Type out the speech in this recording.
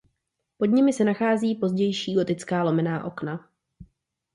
Pod nimi se nachází pozdější gotická lomená okna.